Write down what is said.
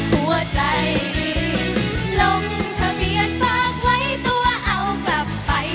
หัวใจลงทะเบียนฝากไว้ตัวเอากลับไป